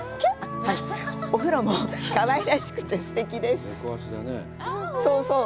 お風呂もかわいらしくてすてきです。